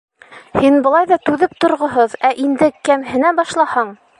Һин былай ҙа түҙеп торғоһоҙ, ә инде кәмһенә башлаһаң!..